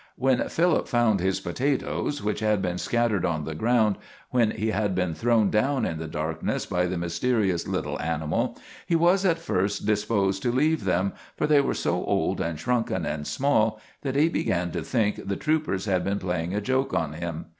When Philip found his potatoes, which had been scattered on the ground where he had been thrown down in the darkness by the mysterious little animal, he was at first disposed to leave them, for they were so old and shrunken and small that he began to think the troopers had been playing a joke on him.